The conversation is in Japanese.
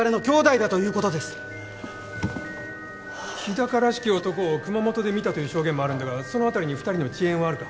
高らしき男を熊本で見たという証言もあるんだがその辺りに二人の地縁はあるか？